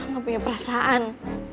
gak punya perasaan